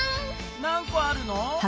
なんこあるの？